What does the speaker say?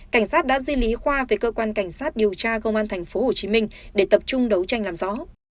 cảnh sát đã duy lý khoa về cơ quan cảnh sát điều tra công an tp hồ chí minh để tập trung đấu tranh làm rõ